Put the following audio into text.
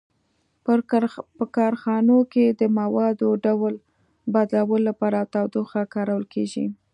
په کارخانو کې د موادو ډول بدلولو لپاره تودوخه کارول کیږي.